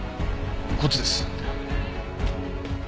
こっちです。